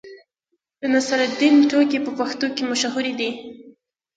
د نصرالدین ټوکې په پښتنو کې مشهورې دي.